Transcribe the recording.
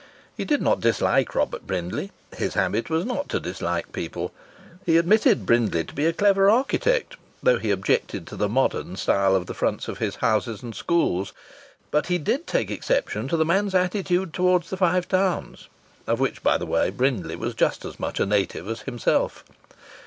He did not dislike Robert Brindley, his habit was not to dislike people; he admitted Brindley to be a clever architect, though he objected to the "modern" style of the fronts of his houses and schools. But he did take exception to the man's attitude towards the Five Towns, of which, by the way, Brindley was just as much a native as himself.